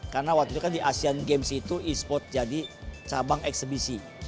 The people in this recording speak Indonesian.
karena waktu itu kan di asian games itu esports jadi cabang eksebisi